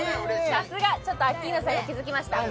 さすがちょっとアッキーナさんが気付きました